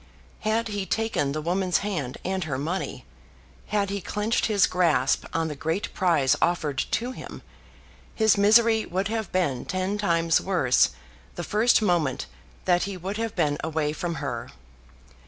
Had he taken the woman's hand and her money, had he clenched his grasp on the great prize offered to him, his misery would have been ten times worse the first moment that he would have been away from her.